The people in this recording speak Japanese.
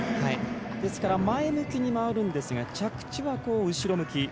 ですから、前向きに回るんですが着地は後ろ向き。